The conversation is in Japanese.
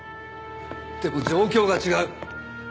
でも状況が違う！